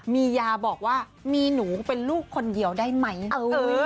มียาบอกว่ามีหนูเป็นลูกคนเดียวได้ไหม